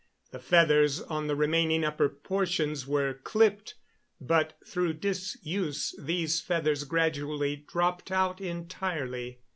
The feathers on the remaining upper portions were clipped, but through disuse these feathers gradually dropped out entirely.